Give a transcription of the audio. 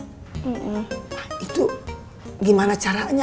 nah itu gimana caranya